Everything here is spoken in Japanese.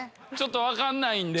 分かんないんで。